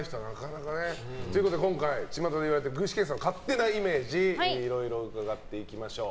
今回、ちまたで言われている具志堅さんの勝手なイメージをいろいろ伺っていきましょう。